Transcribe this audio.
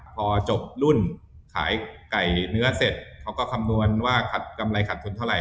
พอจบรุ่นขายไก่เนื้อเสร็จเขาก็คำนวณว่าขัดกำไรขัดทุนเท่าไห